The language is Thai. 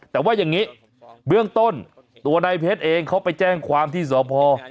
แต่ว่าอย่างนี้เบื้องต้นตัวนายเพชรเองเขาไปแจ้งความที่สพ